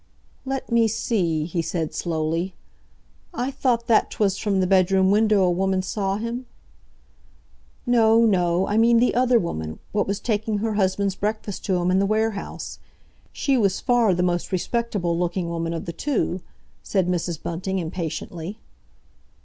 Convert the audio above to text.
"Let me see," he said slowly. "I thought that 'twas from the bedroom window a woman saw him?" "No, no. I mean the other woman, what was taking her husband's breakfast to him in the warehouse. She was far the most respectable looking woman of the two," said Mrs. Bunting impatiently.